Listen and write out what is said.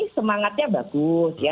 semangatnya bagus ya